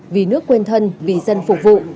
vì nước quên thân vì dân phục vụ